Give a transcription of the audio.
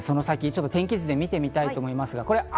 天気図で見てみたいと思います。